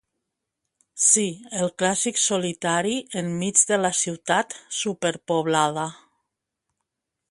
Sí, el clàssic solitari enmig de la ciutat superpoblada.